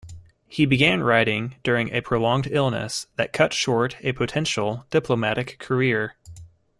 He began writing during a prolonged illness that cut short a potential diplomatic career.